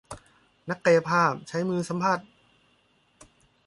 นักกายภาพใช้มือสัมผัส